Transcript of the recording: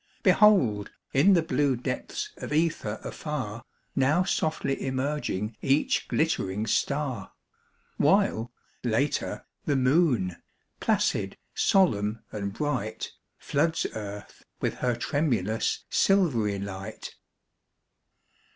Behold, in the blue depths of ether afar, Now softly emerging each glittering star; While, later, the moon, placid, solemn and bright, Floods earth with her tremulous, silvery light.